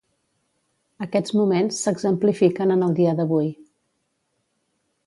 Aquests moments s'exemplifiquen en el dia d'avui.